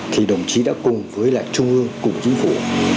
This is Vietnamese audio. thì đồng chí đã cùng với lại trung ương cùng chính phủ